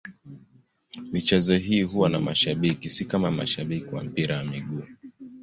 Michezo hii huwa na mashabiki, si kama mashabiki wa mpira wa miguu.